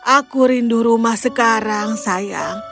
aku rindu rumah sekarang sayang